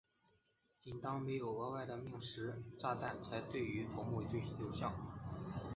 仅当没有额外的命时炸弹才对于头目有效。